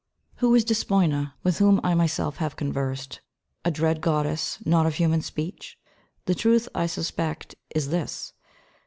_ Who is Despoina, with whom I myself have conversed, "a dread goddess, not of human speech?" The truth, I suspect, is this.